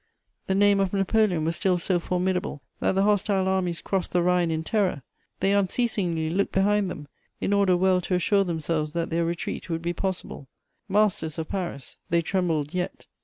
The name of Napoleon was still so formidable that the hostile armies crossed the Rhine in terror; they unceasingly looked behind them, in order well to assure themselves that their retreat would be possible; masters of Paris, they trembled yet.